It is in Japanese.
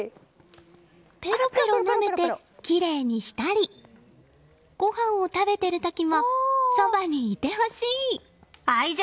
ぺろぺろなめてきれいにしたりご飯を食べている時もそばにいてほしい！